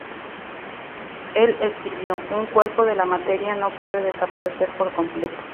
Él escribió "un cuerpo de la materia no puede desaparecer por completo.